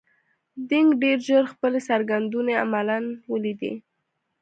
دینګ ډېر ژر خپلې څرګندونې عملاً ولیدې.